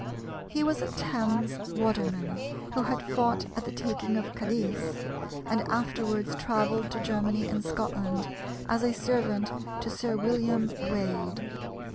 He was a Thames waterman, who had fought at the taking of Cadiz, and afterwards travelled to Germany and Scotland as a servant to Sir William Waade.